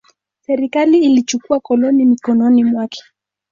Serikali ilichukua koloni mikononi mwake.